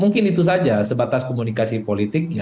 mungkin itu saja sebatas komunikasi politiknya